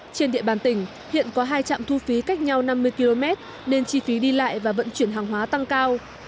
trên địa bàn tỉnh hiện có hai trạm thu phí cách nhau năm mươi km nên chi phí đi lại và vận chuyển hàng hóa tăng cao